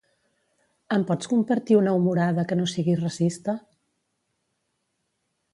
Em pots compartir una humorada que no sigui racista?